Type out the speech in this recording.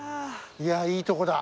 いやいいとこだ。